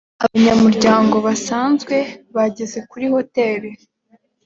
abanyamuryango basanzwe bageze kuri hoteri